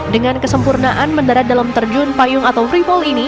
dengan kesempurnaan mendarat dalam terjun payung atau free fall ini